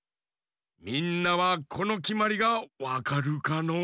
みんなはこのきまりがわかるかのう？